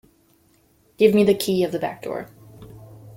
Give me the key of the back door.